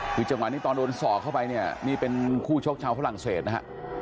คือจังหวะนี้ตอนโดนสอกเข้าไปเนี่ยนี่เป็นคู่ชกชาวฝรั่งเศสนะฮะ